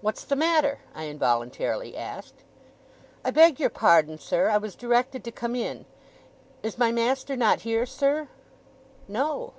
'What's the matter?' I involuntarily asked. 'I beg your pardon, sir, I was directed to come in. Is my master not here, sir?' 'No.